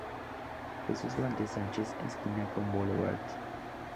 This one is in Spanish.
Jesús Valdez Sánchez esquina con Blvd.